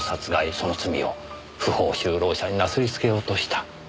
その罪を不法就労者になすりつけようとした。